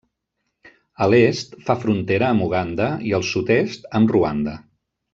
A l'est fa frontera amb Uganda i al sud-est amb Ruanda.